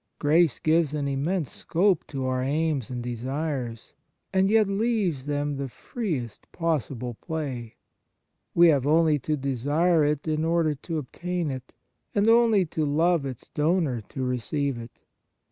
Grace gives an immense scope to our aims and desires, and yet leaves them the freest possible play. We have only to desire it in order to obtain it, and only to love its donor to receive it.